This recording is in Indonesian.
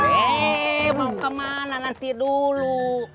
hei mau ke mana nanti dulu